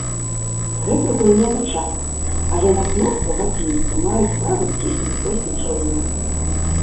Гэта гульня на час, але на кнопку гадзінніка маюць права ціснуць толькі чорныя.